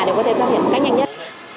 để có thể thoát hiểm cách nhanh nhất